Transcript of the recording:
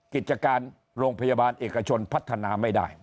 กิจการโรงพยาบาลเอกชนพัฒนาไม่ได้